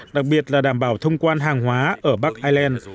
đặc biệt là đảm bảo thông quan hàng hóa ở bắc ireland